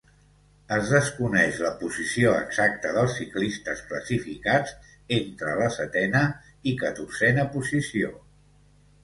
Es desconeix la posició exacta dels ciclistes classificats entre la setena i catorzena posició.